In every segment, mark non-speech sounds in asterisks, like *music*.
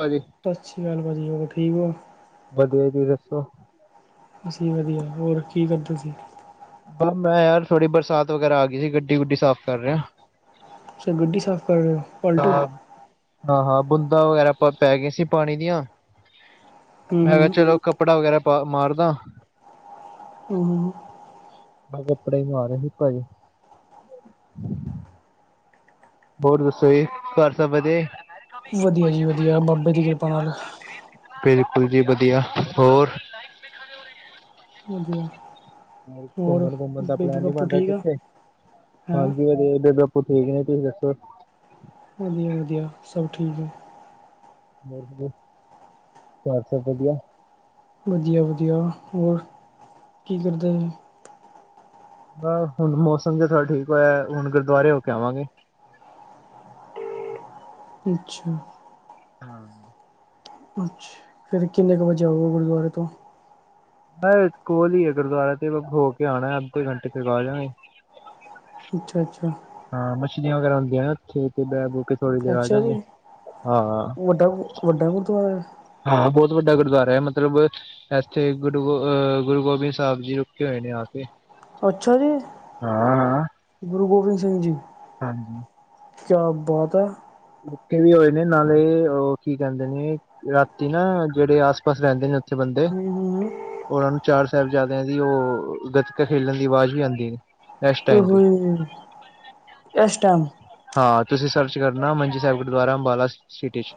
ਹਾਂਜੀ। ਸਤਿ ਸ਼੍ਰੀ ਅਕਾਲ ਭਾਅ ਜੀ, ਹੋਰ ਠੀਕ ਓ। ਵਧੀਆ ਜੀ ਦੱਸੋ। ਬਸ ਜੀ ਵਧੀਆ, ਹੋਰ ਕੀ ਕਰਦੇ ਸੀ? ਮੈਂ ਯਾਰ ਥੋੜੀ ਬਰਸਾਤ ਵਗੈਰਾ ਆ ਗੀ ਸੀ, ਗੱਡੀ ਗੁੱਡੀ ਸਾਫ਼ ਕਰ ਰਿਹਾ। ਸਰ ਗੱਡੀ ਸਾਫ਼ ਕਰ ਰਹੇ ਹੋ? ਪਲਟੂ ਹਾਂ, ਹਾਂ-ਹਾਂ ਬੂੰਦਾ ਵਗੈਰਾ ਪੈ ਗਈਆਂ ਸੀ ਪਾਣੀ ਦੀਆਂ। ਹੂੰ ਮੈਂ ਕਿਹਾ ਚਲੋ ਕੱਪੜਾ ਵਗੈਰਾ ਪਾ ਮਾਰਦਾ। ਹੂੰ। ਮੈਂ ਕੱਪੜੇ ਹੀ ਮਾਰ ਰਯਾ ਸੀ ਭਾਜੀ। ਹੋਰ ਦੱਸੋ ਜੀ, ਘਰ ਸਭ ਵਧੀਐ। ਵਧੀਆ ਜੀ ਵਧੀਆ ਬਾਬੇ ਦੀ ਕਿਰਪਾ ਨਾਲ ਬਿਲਕੁਲ ਜੀ ਵਧੀਆ ਹੋਰ ਲਾਈਵ *inaudible* ਦੇਖਾਵੇ ਹੋ ਹਾਂਜੀ ਘੁੰਮਣ ਘਮਣ ਦਾ ਪਲੈਨ ਨੀ ਬਣ ਰਿਹਾ ਆ ਕਿੱਥੇ ਹੈਂ ਹਾਂਜੀ ਅਜੇ ਇ ਉਹ ਠੀਕ ਨੇ ਤੁਸੀਂ ਦੱਸੋ। ਵਧੀਆ-ਵਧੀਆ ਸਭ ਠੀਕ ਐ। ਹੋਰ ਜੀ, ਘਾਰ ਸਭ ਵਧੀਆ। ਵਧੀਆ-ਵਧੀਆ ਹੋਰ ਕੀ ਕਰਦੇ? ਬ ਹੁਣ ਮੌਸਮ ਜਾ ਥੋੜਾ ਠੀਕ ਹੋਇਆ ਹੁਨ ਗੁਰਦੁਆਰੇ ਹੋ ਕੇ ਆਵਾਂਗੇ। ਅੱਛਾ। ਹਾਂ ਅੱਛਾ, ਫਿਰ ਕਿੰਨੇ ਕੁ ਵਜੇ ਆਓਗੇ ਗੁਰਦੁਆਰੇ ਤੋਂ? ਮੈਂ ਕੋਲ ਹੀ ਐ ਗੁਰਦੁਆਰਾ ਤੇ ਹੋ ਕੇ ਆਣਾ ਐ ਅੱਧੇ ਘੰਟੇ ਤਕ ਆ ਜਾਣਾ ਐ। ਅੱਛਾ-ਅੱਛਾ। ਹਾਂ ਮੱਛਲੀਆਂ ਵਗੈਰਾ ਹੁੰਦੀਆਂ ਨੇ ਐਥੇ ਤੇ ਬਹਿ ਬੋ ਅੱਛਾ ਜੀ, ਵੱਡਾ, ਵੱਡਾ ਗੁਰਦੁਆਰਾ ਹਾਂ ਬੋਤ ਵੱਡਾ ਗੁਰਦੁਆਰਾ ਹੈ ਮਤਲਬ ਐਥੇ ਗੁਰੂ ਗੋ ਅਹ ਗੁਰੂ ਗੋਬਿੰਦ ਸਾਹਿਬ ਜੀ ਰੁਕੇ ਹੋਏ ਨੇ ਆ ਕੇ। ਅੱਛਾ ਜੀ ਹਾਂ ਹਾਂ ਗੁਰੂ ਗੋਬਿੰਦ ਸਿੰਘ ਜੀ। ਹਾਂਜੀ ਕਿਆ ਬਾਤ ਏ। ਰੁਕੇ ਵੀ ਹੋਏ ਨੇ ਨਾਲੇ ਉਹ ਕੀ ਕਹਿੰਦੇ ਨੇ ਰਾਤੀ ਨਾ ਜਿਹੜੇ ਆਸ ਪਾਸ ਰਹਿੰਦੇ ਨੇ। *unintelligible* ਹੂੰ ਹੂੰ ਉਹਨਾਂ ਨੂੰ ਚਾਰ ਸਾਹਿਬਜ਼ਾਦਿਆਂ ਦੀ ਉਹ ਗਤਕਾ ਖੇਲਣ ਦੀ ਆਵਾਜ਼ ਵੀ ਆਉਂਦੀ। ਹੈ ਇਸ ਟਾਈਮ ਤੇ ਏਸ਼ ਟਾਈਮ ਹਾਂ ਤੁਸੀਂ ਸਰਚ ਕਰਨਾ ਮੰਜੀ ਸਾਹਿਬ ਗੁਰਦੁਆਰਾ ਅੰਬਾਲਾ ਸਿਟੀ 'ਚ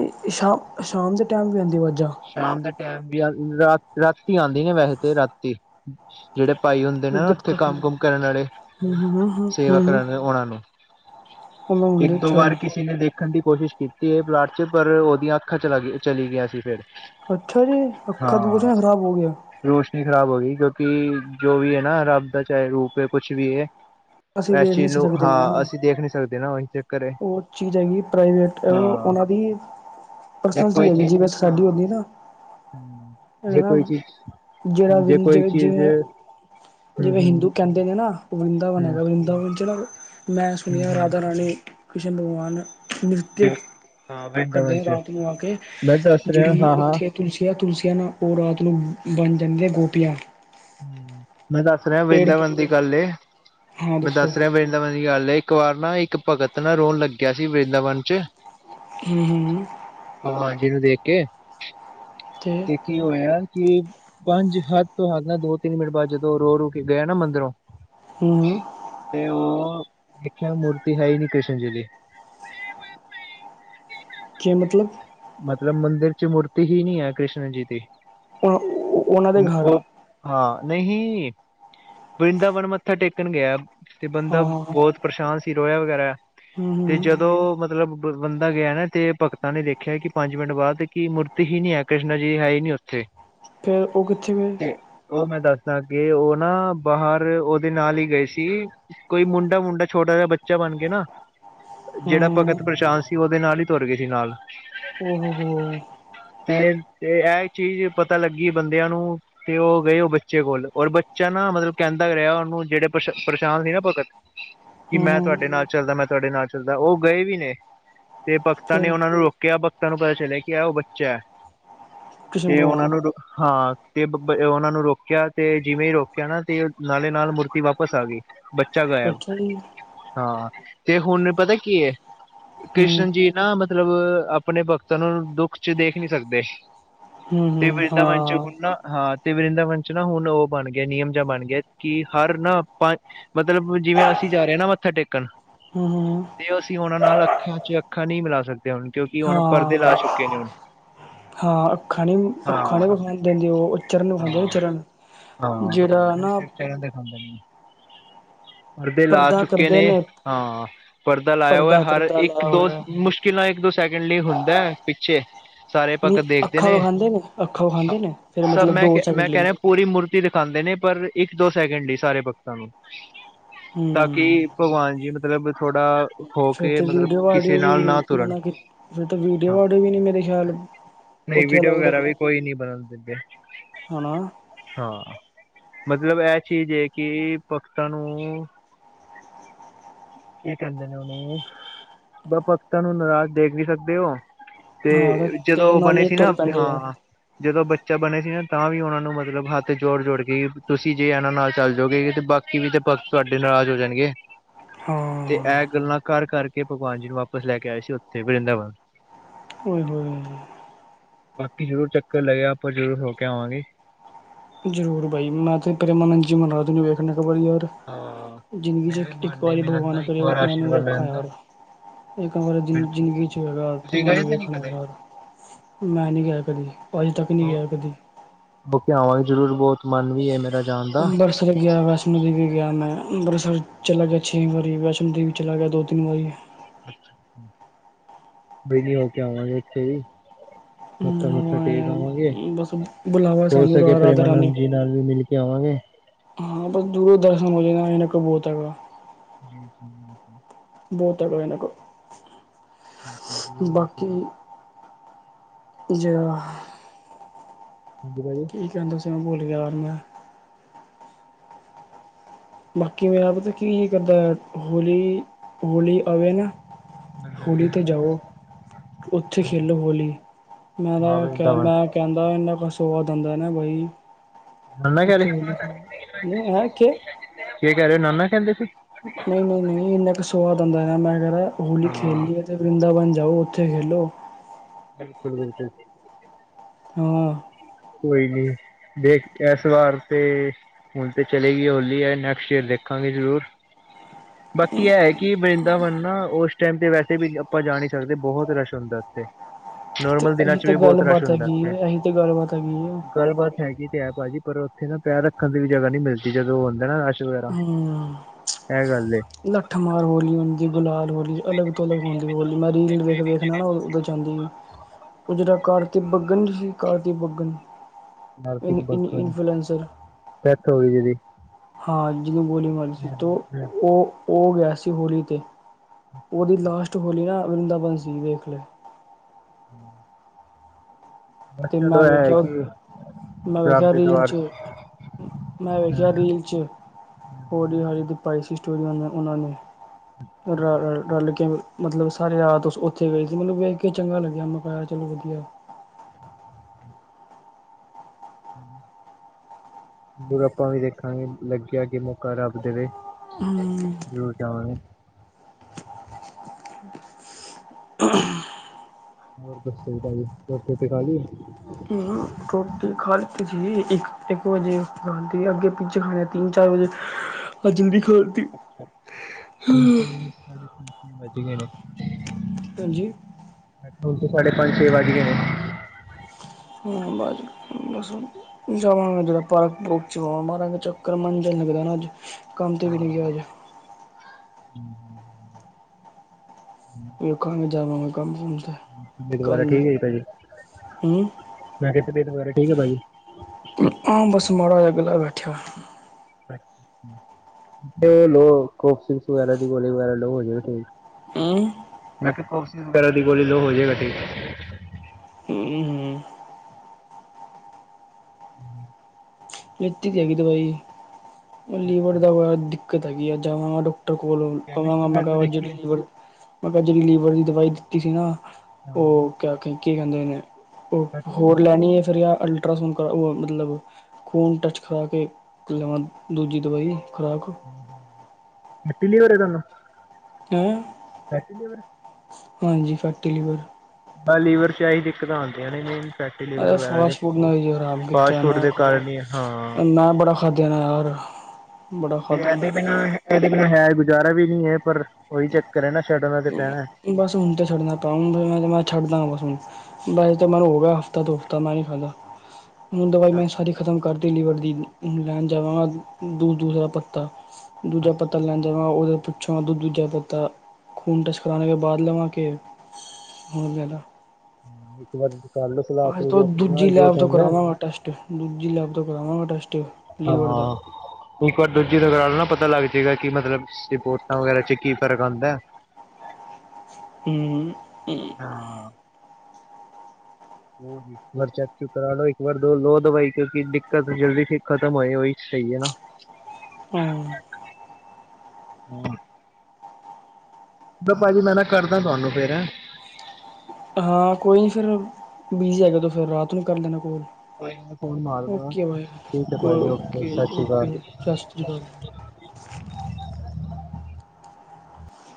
ਅਤੇ ਸ਼ਾਮ -ਸ਼ਾਮ ਦੇ ਟਾਈਮ ਵੀ ਆਦੀਆਂ ਵਾਜਾਂ ਸ਼ਾਮ ਦੇ ਟੈਮ ਵੀ ਆਂ ਰਾ ਰਾਤੀ ਆਉਂਦੀ ਨੇ ਵੈਸੇ ਤੇ ਰਾਤੀ ਜਿਹੜੇ ਭਾਈ ਹੁੰਦੇ ਨਾ ਉੱਥੇ ਗੱਤਕਾ ਖੇਲ ਕੰਮ ਕੁਮ ਹੂੰ ਕਰਨ ਵਾਲੇ ਹੂੰ ਹੂੰ ਹੂੰ ਸੇਵਾ ਕਰਨ ਉਹਨਾਂ ਨੂੰ ਉਹਨਾਂ ਇੱਕ ਹੁੰਦੇ ਦੋ ਅੱਛਾ ਬਾਰ ਕਿਸੀ ਨੇ ਦੇਖਿਆ। ਰੱਖਣ ਦੀ ਕੋਸ਼ਿਸ਼ ਕੀਤੀ ਇਹ ਪਲਾਟ 'ਚ ਪਰ ਉਹਦੀਆਂ ਅੱਖਾਂ ਚਲਾ ਗ ਚਲੀ ਗਈਆਂ ਸੀ ਫਿਰ ਅੱਛਾ ਜੀ ਅੱਖਾ *unintelligible* ਬੂਤ ਹਾਂ ਨਾ ਖ਼ਰਾਬ ਹੋ ਗਿਆ। ਰੋਸ਼ਨੀ ਖ਼ਰਾਬ ਹੋ ਗਈ ਕਿਉਂਕਿ ਜੋ ਵੀ ਹੈ ਨਾ ਰੱਬ ਚਾਹੇ ਰੂਪ ਕੁਛ ਵੀ ਏ। ਅਸੀਂ ਵੇਖ ਨਹੀਂ ਸੀ ਸਕਦੇ ਨਾ ਦੇਖ ਨਹੀਂ ਸਕਦੇ ਨਾ ਉਹੀ ਚੱਕਰ ਹੈ ਉਹ ਚੀਜ਼ ਹੈਗੀ ਪ੍ਰਾਈਵੇਟ ਹਾਂ ਉਹਨਾਂ ਦੀ ਜੇ ਪਰਸਨਲ 'ਚ ਕੋਈ ਹੈਗੀ ਚੀਜ਼ ਜਿਵੇਂ ਸਾਡੀ ਹਾਂ ਉਹਦੀ ਨਾ ਜੇ ਇਹਦਾ ਕੋਈ ਚੀਜ਼ ਜਿਹੜਾ ਜੇ ਵੀ ਕੋਈ ਜਿਵੇਂ ਚੀਜ਼ -ਜਿਵੇਂ ਹਮ ਜਿਵੇਂ ਹਿੰਦੂ ਹਮ ਕਹਿੰਦੇ ਨੇ ਨਾ ਉਹ ਵਰਿੰਦਾਵਨ ਹੈਗਾ। ਹ ਚਲੋ ਮੈਂ ਹਮ ਸੁਣਿਆ ਹਮ ਰਾਧਾ ਰਾਣੀ ਕ੍ਰਸ਼ਨ ਭਗਵਾਨ ਨਿਤਿ ਹਮ ਹਾਂ ਵਰਿੰਦਾਵਨ ਕਰਦੇ ਚ ਰਾਤ ਨੂੰ ਆ ਕੇ ਮੈਂ ਦੱਸ ਰਿਹਾ ਜਿਹੜੀ ਹਾਂ ਹਾਂ ਉੱਥੇ ਤੁਲਸੀਆਂ -ਤੁਲਸੀਆਂ ਨਾਲ ਉਹ ਰਾਤ ਨੂੰ ਬਣ ਜਾਂਦੇ ਗੋਪੀਆ ਹ ਮੈਂ ਦੱਸ ਰਿਹਾ ਵਰਿੰਦਾਵਨ ਦੀ ਪੌਦੇ ਗੱਲ ਹਾਂ ਮੈਂ ਦੱਸੋ ਦੱਸ ਰਿਹਾ। ਵ੍ਰਦਾਵਨ ਦੀ ਗੱਲ ਹੈ ਇੱਕ ਵਾਰ ਨਾ ਇੱਕ ਭਗਤ ਨਾਲ ਰੋਣ ਲੱਗਿਆ ਸੀ ਵਰਦਾਵਨ 'ਚ ਹੂੰ- ਹੂੰ *unintelligible* ਨੂੰ ਦੇਖ ਕੇ ਤੇ ਕੀ ਹੋਇਆ ਕਿ ਪੰਜ ਹੱਦ ਤੋਂ ਹੱਦ ਨਾ ਦੋ ਤਿੰਨ ਮਿੰਟ ਬਾਅਦ ਜਦੋਂ ਰੋ- ਰੋ ਕੇ ਗਿਆ ਨਾ ਮੰਦਰੋਂ ਹੂੰ ਤੇ ਉਹ ਲਖਿਆ ਮੂਰਤੀ ਹੈ ਨੀ ਕ੍ਰਸ਼ਨ ਜੀ ਦੀ। ਕਿ ਮਤਲਬ ਮਤਲਬ ਮੰਦਿਰ 'ਚ ਮੂਰਤੀ ਹੀ ਨੀ ਹੈ ਕ੍ਰਿਸ਼ਨ ਜੀ ਦੀ ਉਹਨਾਂ ਦੇ ਘਰ ਉਹ ਹਾਂ ਨਹੀਂ ਵਰਿੰਦਾਵਨ ਮੱਥਾ ਟੇਕਣ ਗਿਆ ਤੇ ਬੰਦਾ ਹਾਂ ਹਾਂ ਹਾਂ ਬਹੁਤ ਪਰੇਸ਼ਾਨ ਸੀ ਰੋਇਆ ਵਗੈਰਾ ਹੂੰ ਤੇ ਹੂੰ ਜਦੋਂ ਮਤਲਬ ਬੰਦਾ ਗਿਆ ਨਾ ਤੇ ਭਗਤਾਂ ਨੇ ਦੇਖਿਆ। ਦੇਖਿਆ ਕਿ ਪੰਜ ਮਿੰਟ ਬਾਅਦ ਕਿ ਮੂਰਤੀ ਹੀ ਨੀ ਹੈ ਕ੍ਰਿਸ਼ਨਾ ਜੀ ਹੈ ਹੀ ਨੀ ਉੱਥੇ। ਫਿਰ ਉਹ ਕਿੱਥੇ ਗਏ? ਉਹ ਮੈਂ ਦੱਸਦਾ ਕਿ ਉਹ ਨਾ ਬਾਹਰ ਉਹਦੇ ਨਾਲ ਹੀ ਗਏ ਸੀ। ਕੋਈ ਮੁੰਡਾ ਮੁੰਡਾ ਛੋਟਾ ਜਿਹਾ ਬੱਚਾ ਬਣ ਗਿਆ ਨਾ ਹੂੰ ਜਿਹੜਾ ਹੂੰ ਭਗਤ ਪ੍ਰਸ਼ਾਂਤ ਸੀ ਉਹਦੇ ਨਾਲ ਹੀ ਤੁਰ ਗਏ ਸੀ ਨਾਲ ਹਮ ਹਮ ਤੇ ਤੇ ਇਹ ਚੀਜ਼ ਪਤਾ ਲੱਗੀ ਬੰਦਿਆਂ ਨੂੰ ਤੇ ਉਹ ਗਏ ਉਹ ਬੱਚੇ ਕੋਲ ਔਰ ਬੱਚਾ ਨਾ ਮਤਲਬ ਕਹਿੰਦਾ ਰਿਹਾ ਉਹਨੂੰ ਜਿਹੜੇ ਪਰੇਸ਼ਾਨ ਸੀ ਨਾ ਭਗਤ ਕਿ ਹੂੰ ਮੈਂ ਹੂੰ ਤੁਹਾਡੇ ਨਾਲ ਚੱਲਦਾ ਮੈਂ ਤੁਹਾਡੇ ਨਾਲ ਚੱਲਦਾ ਉਹ ਗਏ ਵੀ ਨੇ ਤੇ ਭਗ਼ਤਾਂ ਨੇ ਫਿਰ ਉਹਨਾਂ ਨੂੰ ਰੋਕ ਕਿਆ ਬਕਤਾਂ ਨੂੰ ਪਤਾ ਚੱਲਿਆ ਕਿ ਆ ਉਹ ਬੱਚਾ ਹੈ ਕ੍ਰਿਸ਼ਨ ਤੇ ਉਹਨਾਂ ਭਗਵਾਨ ਨੂੰ, ਹਾਂ ਤੇ ਉਹਨਾਂ ਨੂੰ ਰੋਕਿਆ ਤੇ ਜਿਵੇਂ ਰੋਕਿਆ ਨਾ ਤੇ ਨਾਲੇ ਨਾਲ ਮੂਰਤੀ ਵਾਪਸ ਆ ਗਈ ਬੱਚਾ ਗਾਇਆ ਅੱਛਾ ਜੀ ਹਾਂ ਤੇ ਹੁਣ ਪਤਾ ਕੀ ਹੈ ਹੂੰ ਕ੍ਰਿਸ਼ਨ ਜੀ ਨਾ ਮਤਲਬ ਆਪਣੇ ਭਗਤਾਂ ਨੂੰ ਦੁੱਖ ਚ ਦੇਖ ਨੀ ਸਕਦੇ ਹੂੰ ਤੇ ਹੂੰ ਵਰਿੰਦਾਵਨ ਵਿੱਚ ਹਾਂ ਹੁੰਦਾ ਹਾਂ। ਤੇ ਵਰਿੰਦਾਵਨ ਚ ਨਾ ਹੁਣ ਉਹ ਬਣ ਗਿਆ ਨਿਯਮ ਜਿਹਾ ਬਣ ਗਿਆ ਕਿ ਹਰ ਨਾ ਪੰਜ। ਮਤਲਬ ਜਿਵੇਂ ਅਸੀਂ ਜਾ ਰਹੇ ਹ ਨਾ ਮੱਥਾ ਟੇਕਣ। ਹਮ ਹਾਂ। ਤੇ ਅਸੀਂ ਉਹਨਾਂ ਨਾਲ ਅੱਖਾਂ ਚ ਅੱਖਾਂ ਨਹੀਂ ਮਿਲਾ ਸਕਦੇ ਹਾਂ। ਕਿਉਂਕਿ ਹੁਣ ਪਰਦੇ ਲਾ ਹਾਂ ਚੁੱਕੇ ਨੇ ਹੁਣ ਹਾਂ ਅੱਖਾਂ ਨ ਅੱਖਾਂ ਹਾਂ ਨਹੀਂ ਵੇਖਣ ਦਿੰਦੇ ਉਹ ਚਰਨ ਹਾਂ ਵਿਖਾਉਦੇ ਚਰਨ। ਜਿਹੜਾ ਨਾ। ਟਾਇਮ ਤੇ ਖਾਂਦੇ ਨੇ। ਪਰਦੇ ਲਾ ਪਰਦਾ ਚੁੱਕੇ ਨੇ ਕਰਦੇ ਹਾਂ ਪਰਦਾ ਲਾਇਆ ਹੋਇਆ ਹਰ ਪਰਦਾ ਇੱਕ ਲਾਇਆ ਦੋ ਹੋਇਆ ਮੁਸ਼ਕਿਲ। ਕਿਲਾ ਇੱਕ ਦੋ ਸੈਕਿੰਡ ਲਈ ਹੁੰਦਾ ਪਿੱਛੇ। ਸਾਰੇ ਪਾ ਨਹੀਂ ਕੇ ਦੇਖਦੇ ਅੱਖਾਂ ਨੇ ਵਿਖਾਂਦੇ ਅੱਖਾਂ ਹ ਵਿਖਾਂਦੇ ਨੇ ਫਿਰ ਸਭ ਮਤਲਬ ਮੈਂ ਦੋ ਕ ਮੈਂ ਸੈਕਿੰਡ ਲਈ ਕਹਿਣਾ। ਪੂਰੀ ਮੂਰਤੀ ਦਿਖਾਉਂਦੇ ਨੇ ਪਰ ਇੱਕ ਦੋ ਸੈਕਿੰਡ ਲਈ ਸਾਰੇ ਭਗਤਾਂ ਨੂੰ। ਤਾਂ ਹੂੰ ਕਿ ਭਗਵਾਨ ਜੀ ਮਤਲਬ ਥੋੜ੍ਹਾ ਹੋ ਫਿਰ ਕੇ ਤੇ ਮਤਲਬ ਵੀਡੀਓ ਕਿਸੇ ਵਾਡੀਓ ਵੀ ਨਾਲ ਨਾ ਤੁਰਨ। ਮਤਲਬ ਕਿ ਫਿਰ ਤਾਂ ਵੀਡੀਓ ਹਾਂ ਵਾਡੀਓ ਵੀ ਨੀ ਮੇਰੇ ਖਿਆਲ। ਨਹੀਂ ਉੱਥੇ ਵੀਡੀਓ ਅਲਾਊਡ ਵਗੈਰਾ ਹੈਗੀ ਵੀ ਕੋਈ ਨਹੀਂ ਬਣਾਉਣ ਦਿੰਦੇ। ਹਨਾ ਹਾਂ, ਮਤਲਬ ਇਹ ਚੀਜ਼ ਹੈ ਕਿ ਭਗਤਾਂ ਨੂੰ। ਕੀ ਕਹਿੰਦੇ ਨੇ ਉਹਨੂੰ ਆਪ ਭਗਤਾਂ ਨੂੰ ਨਾਰਾਜ਼ ਦੇਖ ਵੀ ਸਕਦੇ ਹੋ। ਤੇ ਹਾਂ ਜਦੋਂ ਤੇ ਉਹ ਬਣੇ ਨਾਲੇ ਸੀ ਤੁਰ ਨਾ ਪੈਂਦੇ ਆ ਹਾਂ। ਜਦੋਂ ਬੱਚਾ ਬਣੇ ਸੀ ਨਾ ਤਾਂ ਵੀ ਉਹਨਾਂ ਨੂੰ ਮਤਲਬ ਹੱਥ ਜੋੜ ਜੋੜ ਕੇ ਤੁਸੀਂ ਜੇ ਇਹਨਾਂ ਨਾਲ ਚੱਲ ਜਾਓਗੇ ਤੇ ਬਾ। ਟੀ ਵੀ ਤੇ ਭਗਤ ਤੁਹਾਡੇ ਨਾਰਾਜ ਹੋ ਜਾਣਗੇ। ਤੇ ਇਹ ਹਾਂ ਗੱਲਾਂ ਕਰ ਕਰਕੇ ਭਗਵਾਨ ਜੀ ਨੂੰ ਵਾਪਸ ਲੈ ਕੇ ਆਏ ਸੀ ਉੱਥੇ ਵਰਿੰਦਾਵਨ। ਓਏ ਹੋਏ ਬਾਕੀ ਜ਼ਰੂਰ ਚੱਕਰ ਲਗਿਆ ਆਪਾਂ ਜ਼ਰੂਰ ਹੋ ਕੇ ਆਵਾਂਗੇ। ਜ਼ਰੂਰ ਬਈ ਮੈਂ ਤਾਂ ਪ੍ਰੇਮਾਨੰਦ ਜੀ ਮਹਾਂਰਾਜ ਨੂੰ ਵੇਖਣਾ ਇਕ ਵਾਰ। ਹਾਂ ਜ਼ਿੰਦਗੀ ਮੇਰਾ ਵੀ ਚ ਇੱਕ ਮਨ ਨਹੀਂ ਵਾਰੀ ਮਿਲਣ ਦਾ ਭਗਵਾਨ ਇੱਕ ਕਰੇ ਵਾਰ ਉਹਨਾਂ ਨੂੰ ਆਸ਼ੀਰਵਾਦ ਵੇਖਾ ਲੈਣ ਦਾ ਯਾਰ। ਇੱਕਵਾਰ ਬਿਲਕੁਲ ਜ਼ਿੰਦਗੀ ਭਾਜੀ ਚ ਹੋਏਗਾ ਤੁਸੀਂ ਉਹਨਾਂ ਗਏ ਨੂੰ ਤੇ ਨੀ ਵੇਖਣਾ ਕਦੇ ਯਾਰ। ਮੈਂ ਨਹੀਂ ਗਿਆ ਕਦੀ ਅੱਜ ਤੱਕ ਨਹੀਂ ਗਿਆ ਕਦੀ। ਹੋ ਕੇ ਆਵਾਂਗੇ ਜ਼ਰੂਰ ਬਹੁਤ ਮਨ ਵੀ ਹੈ ਮੇਰਾ। ਜਾਣ ਦਾ ਅੰਬਰਸ। ਪੰਜਾਬ ਗਿਆ, ਵੈਸ਼ਨੋ ਦੇਵੀ ਗਿਆ, ਮੈਂ ਅੰਮ੍ਰਿਤਸਰ ਚਲਾ ਗਿਆ ਛੇ ਵਾਰੀ, ਵੈਸ਼ਨੋ ਦੇਵੀ ਚਲਾ ਗਿਆ ਦੋ ਤਿੰਨ ਵਾਰੀ। ਬਿਜੀ ਹੋ ਕੇ ਆਵਾਂਗੇ ਇੱਥੇ ਜੀ। ਮੱਥਾ ਮੁਥਾ ਟੇਕ ਆਵਾਂਗੇ ਬਸ ਬੁਲਾਵਾ ਹੋ ਸਾਨੂੰ ਸਕੇ ਰਾ ਰਾਧਾ ਰਾਣੀ ਪ੍ਰੇਮਾਨੰਦ ਜੀ ਨਾਲ ਵੀ ਮਿਲ ਕੇ ਆਵਾਂਗੇ। ਹਾਂ ਬਸ ਦੂਰੋਂ ਦਰਸ਼ਨ ਹੋ ਜਾਣਾ ਇਨਾ ਕ ਬਹੁਤ ਹੈਗਾ। ਜੀ ਜੀ। ਬਹੁਤ ਹੈਗਾ ਐਨਾ ਕੋਲ, ਬਾਕੀ। ਜਾਂ ਹਾਂਜੀ ਭਾਜੀ। ਕੀ ਕੈਂਦਾ ਸੀ ਮੈਂ ਭੂੱਲ ਗਆ ਯਾਰ ਮੈਂ। ਬਾਕੀ ਮੇਰਾ ਪਤਾਂ ਕੀ ਕਰਦਾ ਹੋਲੀ, ਹੋਲੀ ਆਵੇ ਨਾ ਹੋਲੀ ਤੇ ਜਾਓ, ਓਥੇ ਖੇਲੋ ਹੋਲੀ ਮੈਂ ਹਾਂ ਤਾਂ ਕਿਆ ਵਰਿੰਦਾਵਨ। ਮੈ ਕਹਿੰਦਾ ਐਨਾ ਕ ਸਵਾਦ ਆਉਂਦਾ ਨਾ ਬਾਈ। ਨਾਨਾ ਕਹਿ ਰਹੇ ਚਲੋ ਨਹੀਂ ਹੈ ਕਿ। ਕੀ ਕੈ ਰੇ ਨਾਨਾ ਕਹਿੰਦੇ ਸੀ? ਨਈ, ਨਈ, ਨਈ ਇੰਨਾ ਕ ਸਵਾਦ ਆਂਦਾ ਐ, ਮੈਂ ਕਹਿ ਰਿਹਾ ਹੋਲੀ ਹਾਂ ਖੇਲਨੀ ਏ ਤੇ ਵਰਿੰਦਾਵਨ ਜਾਓ, ਓਥੇ ਖੇਲੋ। ਹਾਂ। ਬਿਲਕੁਲ ਬਿਲਕੁਲ। ਹਾਂ। ਕੋਈ ਨੀ ਦੇਖ ਇਸ ਵਾਰ ਤੇ। ਹੁਣ ਤੇ ਚਲੇਗੀ ਹੋਲੀ, ਏ ਨੈਕਸਟ ਈਅਰ ਦੇਖਾਂਗੇ ਜਰੂਰ। *inaudible* ਬਾਕੀ ਐ ਹੈ ਕਿ ਵ੍ਰੀਂਦਾਵਨ ਨਾ, ਓਸ਼ ਟੈਮ ਤੇ ਵੈਸੇ ਵੀ ਆਪਾਂ ਜਾ ਨੀ ਸਕਦੇ ਬਹੋਤ ਰਸ਼ ਹੋਂਦਾ ਓਥੇ। ਤੇ ਐਹੀ ਤੇ ਗੱਲ-ਬਾਤ ਹੈਗੀ ਇੱਥੇ। ਏ, ਐਹੀ ਤੇ ਗੱਲ-ਬਾਤ ਹੈਗੀ ਏ। ਗੱਲ-ਬਾਤ ਹੈਗੀ ਤੇ ਹੈ ਭਾਜੀ, ਪਰ ਓਥੇ ਨਾ ਪੈਰ ਰੱਖਨ ਦੀ ਵੀ ਜਗਾ ਨੀ ਮਿਲਦੀ ਜਦੋਂ ਓ ਹੋਂਦਾ ਨਾ ਰਸ਼ ਵਗੈਰਾ, ਐ ਗੱਲ ਏ। ਲੱਠਮਾਰ ਹੋਲੀ ਹੁੰਦੀ, ਗੁਲਾਲ ਹੋਲੀ ਅਲੱ *unintelligible* ਹੋਲੀ ਮੈਂ ਰੀਲ ਵੇਖ ਵੇਖਨਾ ਊ ਓਦੇ ਚ ਆਂਦੀ ਏ *unintelligible* ਤੇ ਬੱਗਨ ਸ ਕਾਰਤੀ ਬੱਗਨ ਇਨ ਆਰਥਿਕ ਇਨ ਪੱਖੋਂ ਇਨਫਲੈਂਸਰ। ਡੈਥ ਹੋਈ ਜੀਦੀ। ਹਾਂ, ਜਿਨੂੰ ਗੋਲੀ ਮਾਰੀ ਸੀ ਤੋ ਓ, ਓ ਗਆ ਸੀ ਹੋਲੀ ਤੇ। ਓਦੀ ਲਾਸਟ ਹੋਲੀ ਨਾ, ਵ੍ਰੀਂਦਾਵਨ ਸੀ ਵੇਖ ਲੈ। *inaudible* ਪਰ ਤੇ ਚਲੋ ਮੈਂ ਇਹ ਹੈ ਵੇਖਿਆ ਕੇ ਮੈਂ ਵੇਖੇਆ ਰੀਲ ਚ, ਮੈਂ ਵੇਖੇਆ ਜ਼ਰੂਰ ਰੀਲ ਚ। ਹੋਲੀ-ਹਾਲੀ ਦੀ ਪਾਈਸੀ ਸਟੋਰੀ ਓਨੇ ਓਨਾਂ ਨੇ। ਰ, ਰਲ ਕੇ ਮਤਲਬ ਸਾਰੇ ਰਾਤ ਓਸ ਓਥੇ ਗਏ ਸੀ, ਮਤਲਬ ਵੇਖ ਕੇ ਚੰਗਾ ਲੱਗੇਆ ਮਕੇਆ ਯਾਰ ਚਲੋ ਵਦੀਆ। ਜਦੋ ਆਪਾਂ ਵੀ ਵੇਖਾਂਗੇ ਲ ਲੱਗੇਆ ਕੀ ਮੌਕਾ ਰੱਬ ਦੇਵੇ ਜਦੋ ਜਾਵਾਂਗੇ। ਹੋਰ ਦਸੋ ਤਾਜੀ, ਰੋਟੀ-ਰੂਟੀ ਖਾਲੀ ਏ? ਰੋਟੀ ਖਾ ਲੀਤੀ ਜੀ ਇੱਕ, ਇੱਕ ਵਜੇ ਖਾਦੀ ਐ ਅੱਗੇ-ਪਿੱਛੇ ਖਾਨੇ ਤਿੰਨ-ਚਾਰ ਵਜੇ। ਆਜ ਜਲਦੀ ਖਾ ਹੁਣ ਤੇ ਸਾੜੇ ਪੰਜ-ਛੇ ਵਜ ਗਏ ਨੇ। ਹਾਂਜੀ। ਮੈਂ ਕਿਆ ਹੁਨ ਤੇ ਸਾਡੇ ਪੰਜ-ਛੇ ਵੱਜ ਗਏ ਨੇ। ਹਾ *unintelligible* ਬਸ ਹੁਨ। ਜਾਵਾਂਗਾ ਜਰਾ ਪਾਰਕ, ਪੂਕ ਚ ਹੋ ਆਵਾਂ ਮਾਰਾ ਗਾ ਚੱਕਰ ਮੰਨ ਜਾ ਨੀ ਲੱਗਦਾ ਨਾ ਅੱਜ। ਕੰਮ ਤੇ ਵੀ ਨੀ ਗੇਆ ਅੱਜ। *unintelligible* ਵੇਖਾਂਗੇ ਜਾਂਵਾਂਗਾ ਕਾਮ-ਕੁੱਮ ਤੇ। ਤਬੀਅਤ ਕੱਲ ਵਗੈਰਾ ਨੂੰ ਠੀਕ ਐ ਭਾਜੀ, ਹੂੰ ਮੈ ਕਿਆ ਤਬੀਅਤ ਵਗੈਰਾ ਠੀਕ ਏ ਭਾਜੀ? ਹਾਂ, ਬਸ ਮਾੜਾ ਜਾ ਗਲਾ ਬੈਠੇਆ। *unintelligible* *unintelligible* ਮੈਂ ਕਿਆ *unintelligible* ਦੀ ਗੋਲੀ ਲੋ ਹੋ ਜੇਗਾ ਠੀਕ। *unintelligible* *inaudible* ਲਿੱਤੀ ਤੇ ਹੇਗੀ ਦਵਾਈ, ਲੀਵਰ ਅੱਛਾ ਦਾ ਬੜਾ ਦਿੱਕਤ ਹੈਗੀ ਏ ਜਾਵਾਂ ਉਦੇ ਕੋਲ ਕੈਮਿਸਟ ਕਹਾਂਗਾ ਮੈਂ ਵਗੈਰਾ ਤਾਂ ਕਿਹਾ ਜਿਹੜ ਦੇਖੀ ਹੈ ਲਵਰ ਮੈਂ ਕਿਹਾ ਜਿਹੜੀ ਲੀਵਰ ਦੀ ਦਵਾਈ ਦਿੱਤੀ ਸੀ ਨਾ ਹਾਂ ਹਾਂ ਉਹ ਕ ਕੇ ਕੀ ਕਹਿੰਦੇ ਨੇ ਉਹ ਫੈਟੀ ਲੀਵਰ ਹੋਰ ਦੀ ਲੈਣੀ ਹੈ ਫਿਰ ਯ ਅਲਟਰਾਸਾਊਂਡ ਕਰਾ ਉਹ ਮਤਲਬ ਖੂਨ ਟਚ ਕਰ ਕੇ ਲਵਾਂ ਦੂਜੀ ਦਵਾਈ ਖੁਰਾਕ ਫੈਟੀ ਲੀਵਰ ਐ ਤੁਆਨੂੰ *unintelligible* ਫੈਟੀ ਲਿਵਰ। ਹਾਂਜੀ, ਫੈਟੀ ਲੀਵਰ ਐ ਲੀਵਰ ਚ ਏਹੀ ਦਿਕਤਾਂ ਆਂਦੀਆ ਨੇ ਮੇਨ ਫੈਟੀ ਲੀਵਰ ਅਰੇ ਵਗੈਰਾ ਦੀ ਫਾਸਟ ਫੂਡ ਨਾਈ ਆਰਾਮ ਫਾਸਟ ਕੀਤਾ ਨਾ ਫੂਡ ਦੇ ਖਾਓ, ਕਾਰਨ ਹੀ ਹਾਂ ਮੈਂ ਬੜਾ ਖਾਧੇ ਨੇ ਯਾਰ ਬੜਾ ਦਿ ਖਾਧਾ ਮੈਂ ਇਹਦੇ ਬਿਨਾਂ, ਇਹਦੇ ਬਿਨਾ ਹੈ ਗੁਜ਼ਾਰਾ ਵੀ ਨੀ ਐ ਪਰ ਉਹੀ ਚੱਕਰ ਐ ਨਾ ਛੱਡਣਾ ਤੇ ਪੈਣਾ ਬਸ ਹੁਨ ਤੇ ਛੱਡਦਾ ਟ *unintelligible* ਮੈਂ ਛੱਡਦਾ ਬਸ ਹੁਣ ਵੈਸੇ ਤਾਂ ਮੈਨੂੰ ਹੋ ਗਿਆ ਹਫ਼ਤਾ ਤੋਂ ਹਫ਼ਤਾ ਮੈਂ ਨ ਖਾਦਾ ਹੁਣ ਦਵਾਈ ਮੈਂ ਸਾਰੀ ਖ਼ਤਮ ਕਰਦੀ ਲੀਵਰ ਦੀ ਲੈਣ ਜਾਵਾਂਗਾ ਦੂਸ ਦੂਸਰਾ ਪੱਤਾ ਦੂਜਾ ਪੱਤਾ ਲੈਣ ਜਾਵਾਂ ਉਹਦੇ ਪੁੱਛੋਂ ਦੂਜਾ ਪੱਤਾ ਖੂਨ ਟੈਸਟ ਕਰਾਨੇ ਕੇ ਬਾਅਦ ਲਵਾਂ ਕੇ ਹੁਨ ਲੈਲਾ ਇੱਕ ਵਾਰੀ ਦੁਕਾਨ ਲ ਅ ਦੂਜੀ ਲੈਬ ਤੋਂ ਕਰਾਵਾਂਗਾ ਟੈਸਟ ਦੂਜੀ ਲੈਬ ਤੋਂ ਕਰਾਵਾਂਗਾ ਟੈਸਟ ਲੀਵਰ ਦਾ ਹਾਂ ਇੱਕ ਵਾਰ ਦੂਜੀ ਦੁਕਾਰ ਨਾ ਪਤਾ ਲੱਗ ਜਾਏਗਾ ਕਿ ਮਤਲਬ ਸਪੋਰਟਾਂ ਵਗੈਰਾ ਚ ਕੀ ਫ਼ਰਕ ਆਉਂਦਾ *inaudible* ਹਾਂ ਹੋਰ ਜੀ ਵਾਰ ਚੈੱਕ ਚੁੱਕ ਕਰਾ ਲਓ ਇੱਕ ਵਾਰ ਦੋ ਲਓ ਦਵਾਈ ਕਿਉਂਕਿ ਦਿੱਕਤ ਜਲਦੀ ਠੀਕ ਖਤਮ ਹੋਏ ਉਹੀ ਸਹੀ ਹੈ ਨਾ ਹਮ *inaudible* ਪਾਜੀ ਮੈਂ ਨਾ ਕਰਦਾ ਤੁਹਾਨੂੰ ਫੇਰ ਹਾਂ ਕੋਈ ਨਹੀਂ ਫਿਰ ਬਿਜ਼ੀ ਹੈਗਾ ਤੋਂ ਫਿਰ ਰਾਤ ਨੂੰ ਕਰ ਲੈਣਾ ਕੋਲ ਹੈਂ ਫੋਨ ਮਾਰਦਾ ਠੀਕ ਹੈ ਭਾਜੀ ਓਕੇ ਸਤਿ ਸ਼੍ਰੀ ਅਕਾਲ *inaudible*